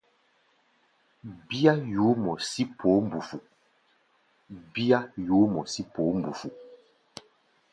Bíá yuú mɔ sí poó mbufu.